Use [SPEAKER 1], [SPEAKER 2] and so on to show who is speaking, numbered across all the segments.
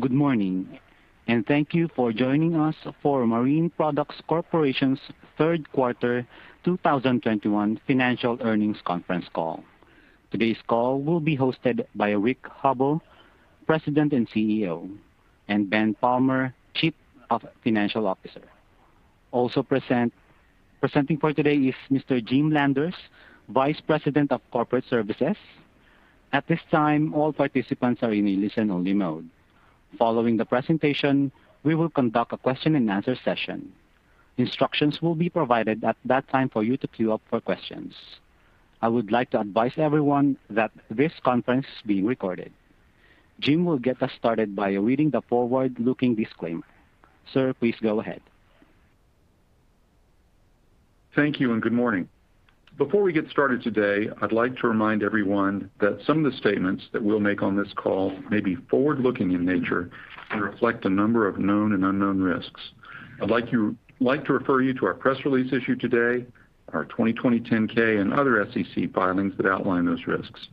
[SPEAKER 1] Good morning, and thank you for joining us for Marine Products Corporation's third quarter 2021 financial earnings conference call. Today's call will be hosted by Rick Hubbell, President and CEO, and Ben Palmer, Chief Financial Officer. Also presenting for today is Mr. Jim Landers, Vice President of Corporate Services. At this time, all participants are in a listen-only mode. Following the presentation, we will conduct a question-and-answer session. Instructions will be provided at that time for you to queue up for questions. I would like to advise everyone that this conference is being recorded. Jim will get us started by reading the forward-looking disclaimer. Sir, please go ahead.
[SPEAKER 2] Thank you and good morning. Before we get started today, I'd like to remind everyone that some of the statements that we'll make on this call may be forward-looking in nature and reflect a number of known and unknown risks. I'd like to refer you to our press release issued today, our 2020 10-K and other SEC filings that outline those risks.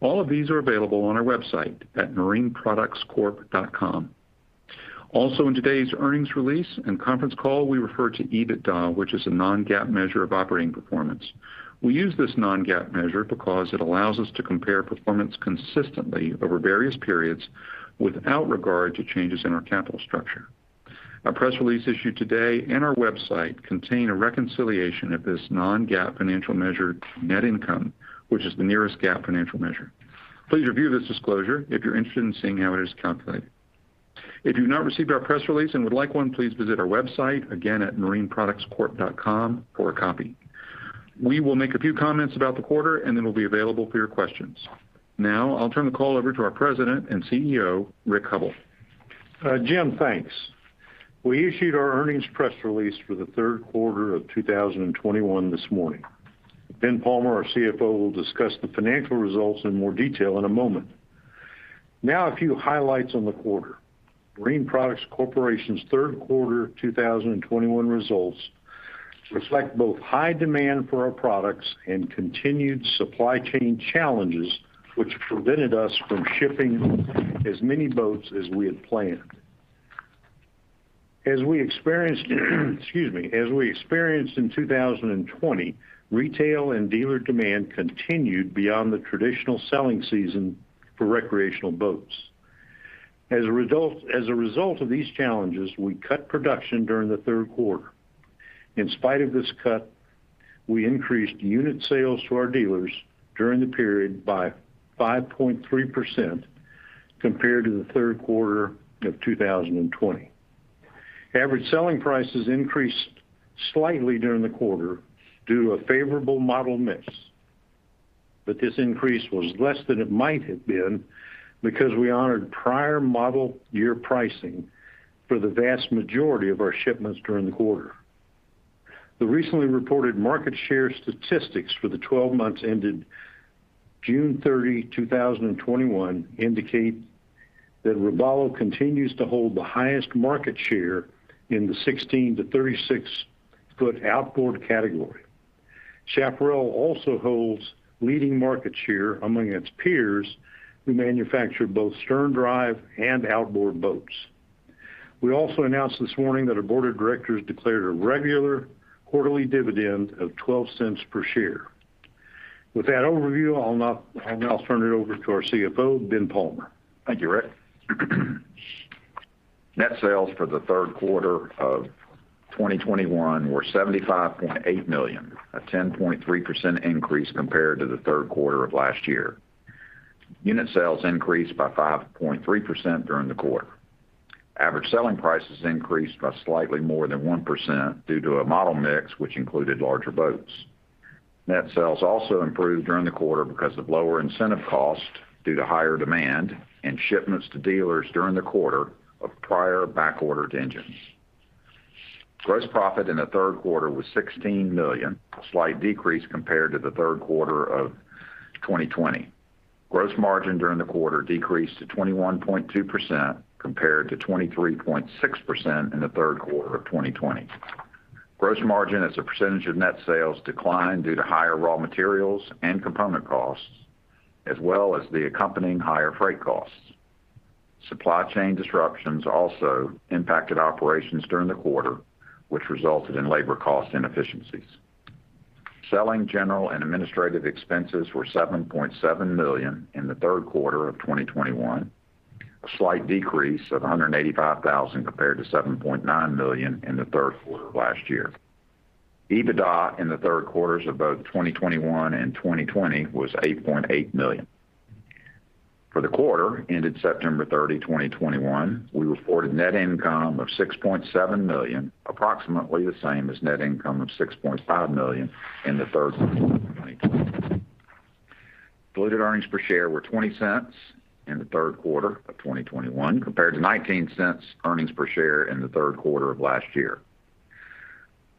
[SPEAKER 2] All of these are available on our website at marineproductscorp.com. Also in today's earnings release and conference call, we refer to EBITDA, which is a non-GAAP measure of operating performance. We use this non-GAAP measure because it allows us to compare performance consistently over various periods without regard to changes in our capital structure. Our press release issued today and our website contain a reconciliation of this non-GAAP financial measure to net income, which is the nearest GAAP financial measure. Please review this disclosure if you're interested in seeing how it is calculated. If you've not received our press release and would like one, please visit our website, again at marineproductscorp.com for a copy. We will make a few comments about the quarter, and then we'll be available for your questions. Now I'll turn the call over to our President and CEO, Rick Hubbell.
[SPEAKER 3] Jim, thanks. We issued our earnings press release for the third quarter of 2021 this morning. Ben Palmer, our CFO, will discuss the financial results in more detail in a moment. Now a few highlights on the quarter. Marine Products Corporation's third quarter 2021 results reflect both high demand for our products and continued supply chain challenges, which prevented us from shipping as many boats as we had planned. As we experienced in 2020, retail and dealer demand continued beyond the traditional selling season for recreational boats. As a result of these challenges, we cut production during the third quarter. In spite of this cut, we increased unit sales to our dealers during the period by 5.3% compared to the third quarter of 2020. Average selling prices increased slightly during the quarter due to a favorable model mix. This increase was less than it might have been because we honored prior model year pricing for the vast majority of our shipments during the quarter. The recently reported market share statistics for the 12 months ended June 30, 2021 indicate that Robalo continues to hold the highest market share in the 16 to 36-foot outboard category. Chaparral also holds leading market share among its peers who manufacture both stern drive and outboard boats. We also announced this morning that our board of directors declared a regular quarterly dividend of $0.12 per share. With that overview, I'll now turn it over to our CFO, Ben Palmer.
[SPEAKER 4] Thank you, Rick. Net sales for the third quarter of 2021 were $75.8 million, a 10.3% increase compared to the third quarter of last year. Unit sales increased by 5.3% during the quarter. Average selling prices increased by slightly more than 1% due to a model mix which included larger boats. Net sales also improved during the quarter because of lower incentive costs due to higher demand and shipments to dealers during the quarter of prior back-ordered engines. Gross profit in the third quarter was $16 million, a slight decrease compared to the third quarter of 2020. Gross margin during the quarter decreased to 21.2% compared to 23.6% in the third quarter of 2020. Gross margin as a percentage of net sales declined due to higher raw materials and component costs as well as the accompanying higher freight costs. Supply chain disruptions also impacted operations during the quarter, which resulted in labor cost inefficiencies. Selling, general, and administrative expenses were $7.7 million in the third quarter of 2021, a slight decrease of 185,000 compared to $7.9 million in the third quarter of last year. EBITDA in the third quarters of both 2021 and 2020 was $8.8 million. For the quarter ended September 30, 2021, we reported net income of $6.7 million, approximately the same as net income of $6.5 million in the third quarter of 2020. Diluted earnings per share were $0.20 in the third quarter of 2021 compared to $0.19 earnings per share in the third quarter of last year.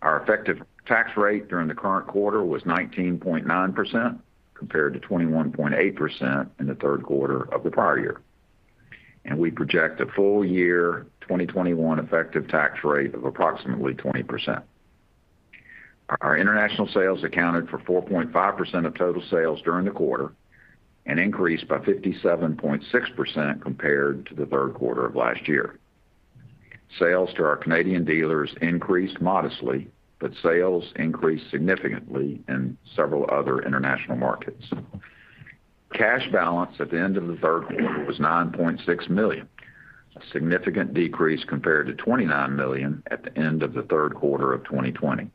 [SPEAKER 4] Our effective tax rate during the current quarter was 19.9%, compared to 21.8% in the third quarter of the prior year. We project a full year 2021 effective tax rate of approximately 20%. Our international sales accounted for 4.5% of total sales during the quarter and increased by 57.6% compared to the third quarter of last year. Sales to our Canadian dealers increased modestly, but sales increased significantly in several other international markets. Cash balance at the end of the third quarter was $9.6 million, a significant decrease compared to $29 million at the end of the third quarter of 2020.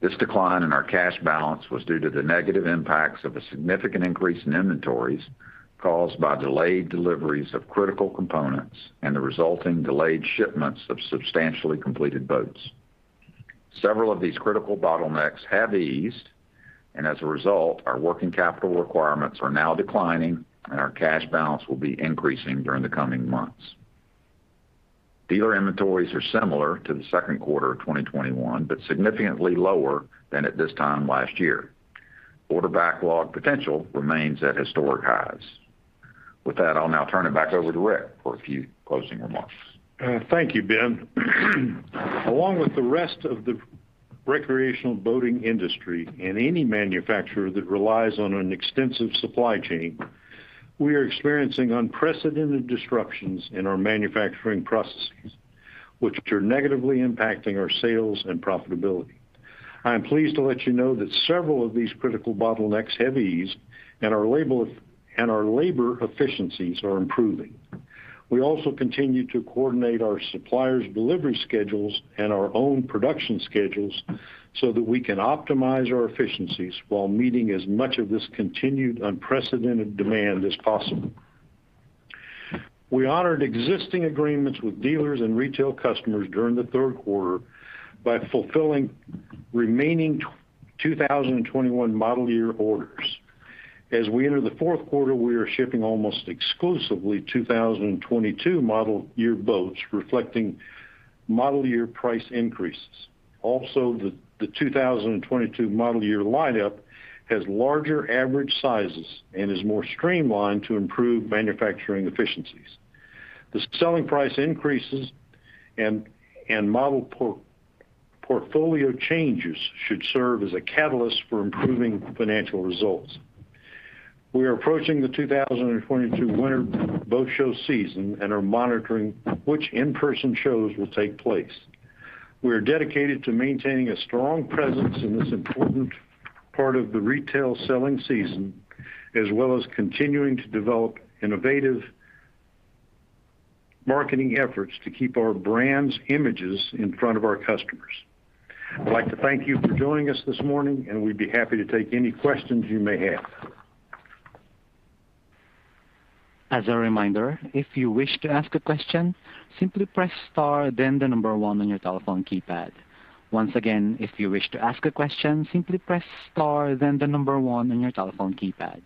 [SPEAKER 4] This decline in our cash balance was due to the negative impacts of a significant increase in inventories caused by delayed deliveries of critical components and the resulting delayed shipments of substantially completed boats. Several of these critical bottlenecks have eased, and as a result, our working capital requirements are now declining, and our cash balance will be increasing during the coming months. Dealer inventories are similar to the second quarter of 2021, but significantly lower than at this time last year. Order backlog potential remains at historic highs. With that, I'll now turn it back over to Rick for a few closing remarks.
[SPEAKER 3] Thank you, Ben. Along with the rest of the recreational boating industry and any manufacturer that relies on an extensive supply chain, we are experiencing unprecedented disruptions in our manufacturing processes, which are negatively impacting our sales and profitability. I am pleased to let you know that several of these critical bottlenecks have eased and our labor efficiencies are improving. We also continue to coordinate our suppliers' delivery schedules and our own production schedules so that we can optimize our efficiencies while meeting as much of this continued unprecedented demand as possible. We honored existing agreements with dealers and retail customers during the third quarter by fulfilling remaining 2021 model year orders. As we enter the fourth quarter, we are shipping almost exclusively 2022 model year boats reflecting model year price increases. Also, the 2022 model year lineup has larger average sizes and is more streamlined to improve manufacturing efficiencies. The selling price increases and model portfolio changes should serve as a catalyst for improving financial results. We are approaching the 2022 winter boat show season and are monitoring which in-person shows will take place. We are dedicated to maintaining a strong presence in this important part of the retail selling season, as well as continuing to develop innovative marketing efforts to keep our brands' images in front of our customers. I'd like to thank you for joining us this morning, and we'd be happy to take any questions you may have.
[SPEAKER 1] As a reminder, if you wish to ask a question, simply press star then the number one on your telephone keypad. Once again, if you wish to ask a question, simply press star then the number one on your telephone keypad.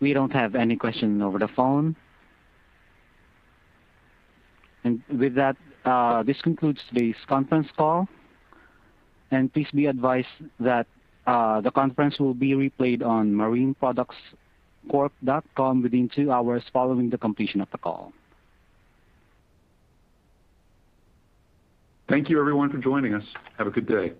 [SPEAKER 1] We don't have any questions over the phone. With that, this concludes today's conference call, and please be advised that, the conference will be replayed on marineproductscorp.com within two hours following the completion of the call.
[SPEAKER 3] Thank you everyone for joining us. Have a good day.